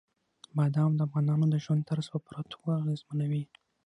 بادام د افغانانو د ژوند طرز په پوره توګه اغېزمنوي.